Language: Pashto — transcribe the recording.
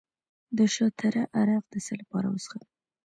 د شاه تره عرق د څه لپاره وڅښم؟